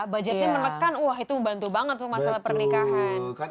budgetnya menekan wah itu membantu banget tuh masalah pernikahan